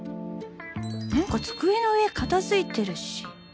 何か机の上片付いてるし